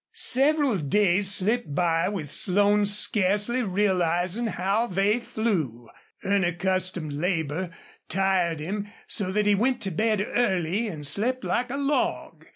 Several days slipped by with Slone scarcely realizing how they flew. Unaccustomed labor tired him so that he went to bed early and slept like a log.